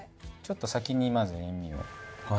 ちょっと先にまず塩味を。